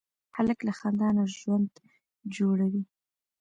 هلک له خندا نه ژوند جوړوي.